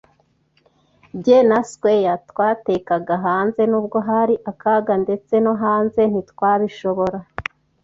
Jye na Squire twatekaga hanze nubwo hari akaga, ndetse no hanze ntitwabishobora